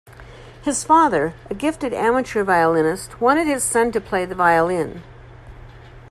His father, a gifted amateur violinist, wanted his son to play the violin.